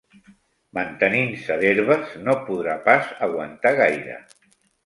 Mantenint-se d'herbes, no podrà pas aguantar gaire.